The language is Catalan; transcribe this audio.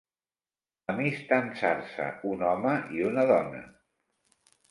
Amistançar-se un home i una dona.